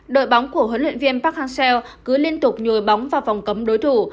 đội bóng của huấn luyện viên park hang seo cứ liên tục nhồi bóng vào vòng cấm đối thủ